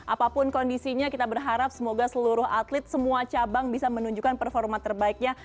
apapun kondisinya kita berharap semoga seluruh atlet semua cabang bisa menunjukkan performa terbaiknya